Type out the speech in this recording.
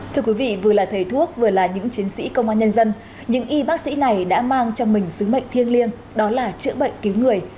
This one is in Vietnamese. thưa quý vị vừa là thầy thuốc vừa là những chiến sĩ công an nhân dân những y bác sĩ này đã mang trong mình sứ mệnh thiêng liêng đó là chữa bệnh cứu người